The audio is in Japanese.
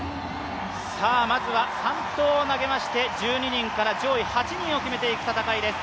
まずは３投を投げまして、８人を決めていく戦いです。